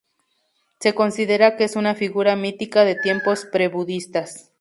Se considera que es una figura mítica de tiempos pre budistas.